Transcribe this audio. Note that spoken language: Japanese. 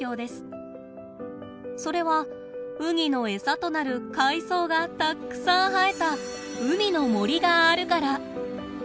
それはウニの餌となる海藻がたくさん生えた海の森があるから。